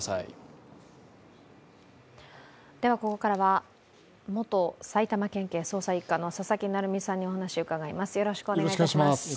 ここからは元埼玉県警捜査一課の佐々木成三さんにお話を伺います。